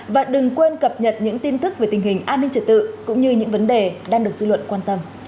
và đừng quên cập nhật những tin tức về tình hình an ninh trật tự cũng như những vấn đề đang được dư luận quan tâm